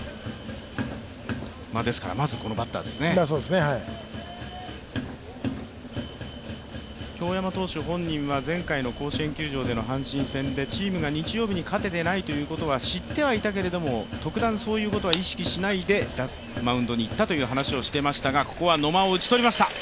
ですから、まずこのバッターですね京山投手本人は前回の甲子園球場での阪神戦でチームが日曜日に勝ててないということは知ってはいたけれども、特段そういうことは意識しないでマウンドに行ったという話をしていましたが、ここは野間を打ち取りました。